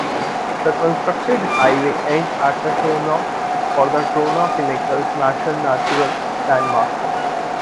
The constructed highway ends at the turnoff for the Trona Pinnacles National Natural Landmark.